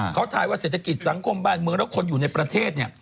เพราะท้ายว่าเศรษฐกิจสังคมบ้านเมืองและคนอยู่ในประเทศ